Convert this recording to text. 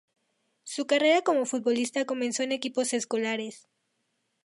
Su carrera como futbolista comenzó en equipos escolares.